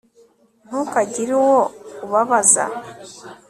ntukagire uwo ubabaza